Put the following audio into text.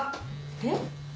えっ？